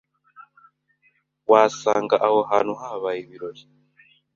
wasanga aho hantu habaye ibirori